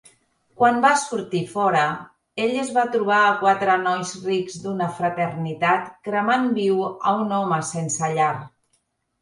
Quan va sortir fora, ell es va trobar a quatre nois rics d'una fraternitat cremant viu a un home sense llar.